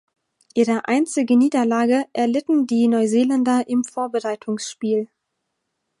Ihre einzige Niederlage erlitten die Neuseeländer im Vorbereitungsspiel.